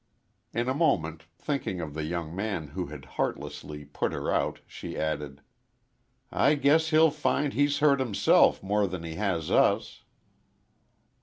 In a moment, thinking of the young man who had heartlessly put her out, she added: "I guess he'll find he's hurt himself more'n he has us."